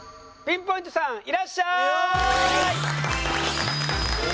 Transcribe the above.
ピンポイントさんいらっしゃい！！